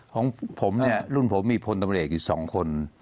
ของผมรุ่นผมมีพลตำรานอยู่๒คน